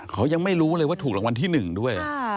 เขายังไม่รู้เลยว่าถูกรางวัลที่๑ด้วย